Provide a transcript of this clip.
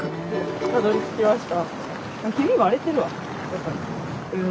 たどりつきました。